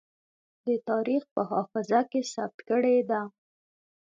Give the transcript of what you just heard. د تاريخ په حافظه کې ثبت کړې ده.